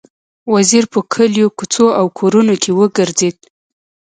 وزیر په کلیو، کوڅو او کورونو کې وګرځېد.